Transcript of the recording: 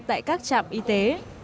tại các trạm y tế